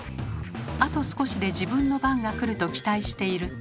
あと少しで自分の番がくると期待していると。